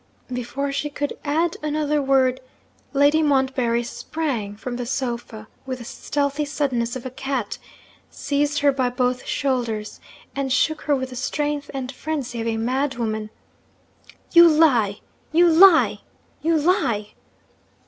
Before she could add another word, Lady Montbarry sprang from the sofa with the stealthy suddenness of a cat seized her by both shoulders and shook her with the strength and frenzy of a madwoman. 'You lie! you lie! you lie!'